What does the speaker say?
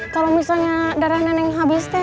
kalau misalnya darah nenek habis teh